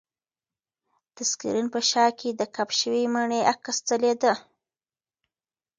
د سکرین په شاه کې د کپ شوې مڼې عکس ځلېده.